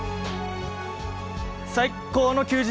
最高の休日！